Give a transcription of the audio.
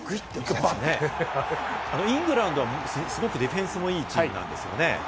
イングランドはすごくディフェンスもいいチームなんですよね。